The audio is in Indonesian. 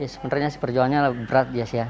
sebenarnya perjuangannya lebih berat ya